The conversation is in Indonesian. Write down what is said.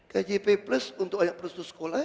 kjp plus untuk anak perusahaan sekolah